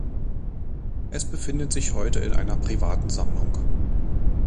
Es befindet sich heute in einer privaten Sammlung.